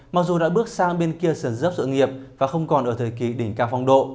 mặc dù đã bước sang bên kia sườn dốc sự nghiệp và không còn ở thời kỳ đỉnh cao phong độ